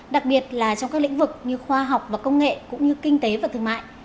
đặc biệt là trong các lĩnh vực như khoa học và công nghệ cũng như kinh tế và thương mại